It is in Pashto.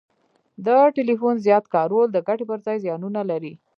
د ټلیفون زیات کارول د ګټي پر ځای زیانونه لري